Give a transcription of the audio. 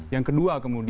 yang kedua kemudian